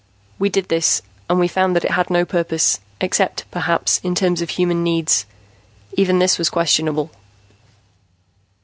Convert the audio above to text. We did this, and we found that it had no purpose, except, perhaps, in terms of human needs. Even this was questionable.